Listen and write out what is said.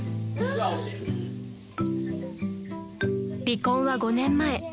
［離婚は５年前］